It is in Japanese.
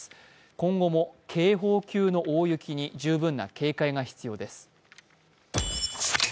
今後も警報級の大雪に十分な警戒が必要です。